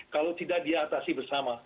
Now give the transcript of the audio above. kalau tidak diatasi bersama